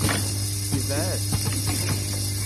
Yebɛed.